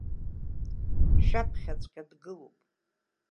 Шәаԥхьаҵәҟьа дгылоуп!